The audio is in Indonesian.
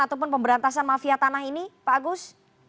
ataupun pemberantasan mafia tanah ini pak agus